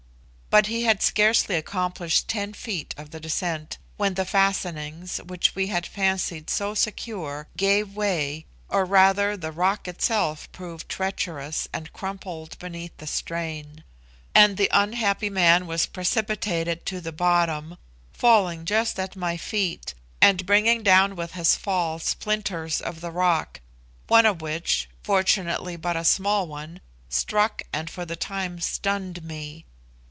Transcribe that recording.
But he had scarcely accomplished ten feet of the descent, when the fastenings, which we had fancied so secure, gave way, or rather the rock itself proved treacherous and crumbled beneath the strain; and the unhappy man was precipitated to the bottom, falling just at my feet, and bringing down with his fall splinters of the rock, one of which, fortunately but a small one, struck and for the time stunned me.